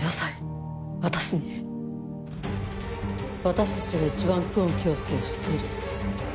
私たちが一番久遠京介を知っている。